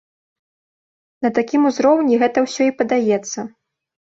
На такім узроўні гэта ўсё і падаецца.